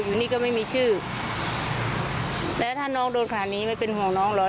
อยู่นี่ก็ไม่มีชื่อแล้วถ้าน้องโดนขนาดนี้ไม่เป็นห่วงน้องเหรอ